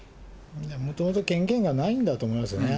もともと権限がないんだと思いますよね。